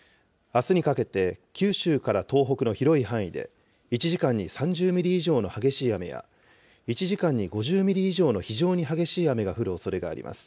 あすにかけて、九州から東北の広い範囲で、１時間に３０ミリ以上の激しい雨や、１時間に５０ミリ以上の非常に激しい雨が降るおそれがあります。